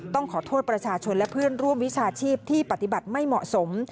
ต้องขอโทษประชาชนและเพื่อนร่วมวิชาชีพที่ปฏิบัติไม่เหมาะสม